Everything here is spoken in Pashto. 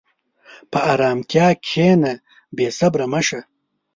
په ارامتیا کښېنه، بېصبره مه شه.